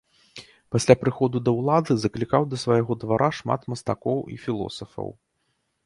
Пасля прыходу да ўлады заклікаў да свайго двара шмат мастакоў і філосафаў.